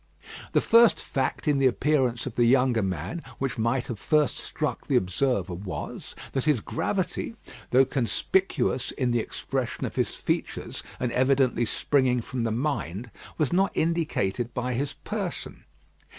The first fact in the appearance of the younger man which might have first struck the observer was, that his gravity, though conspicuous in the expression of his features, and evidently springing from the mind, was not indicated by his person.